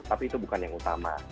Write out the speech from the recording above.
tapi itu bukan yang utama